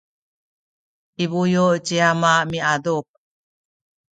i buyu’ ci ama miadup